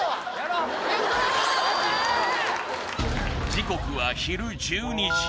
時刻は昼１２時